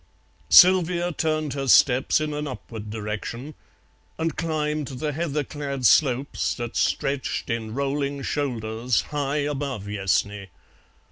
Sylvia turned her steps in an upward direction and climbed the heather clad slopes that stretched in rolling shoulders high above Yessney.